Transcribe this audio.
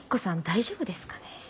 大丈夫ですかね？